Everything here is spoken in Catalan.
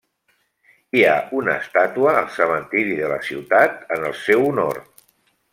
Hi ha una estàtua al cementiri de la ciutat en el seu honor.